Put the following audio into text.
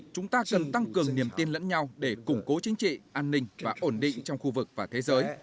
chúng ta cần tăng cường niềm tin lẫn nhau để củng cố chính trị an ninh và ổn định trong khu vực và thế giới